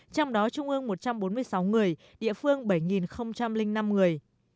trong đó trung ương một trăm bốn mươi sáu người địa phương bảy năm người